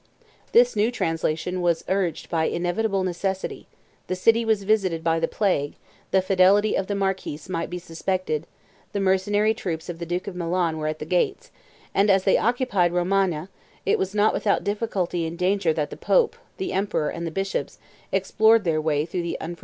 This new translation was urged by inevitable necessity: the city was visited by the plague; the fidelity of the marquis might be suspected; the mercenary troops of the duke of Milan were at the gates; and as they occupied Romagna, it was not without difficulty and danger that the pope, the emperor, and the bishops, explored their way through the unfrequented paths of the Apennine.